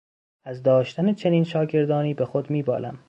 از داشتن چنین شاگردانی به خود میبالم.